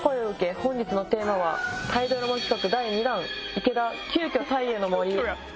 今回のテーマはタイドラマ企画第２弾池田、急きょタイへの森。